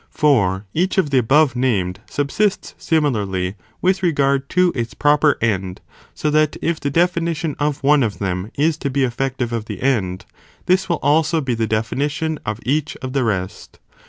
For each of the above named, subsists similarly with regard to its proper end, so that if the definition of one of them, is to be effective of the end, this will also be the definition of each of the rest.